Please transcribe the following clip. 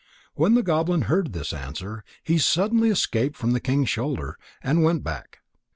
When the goblin heard this answer, he suddenly escaped from the king's shoulder and went back.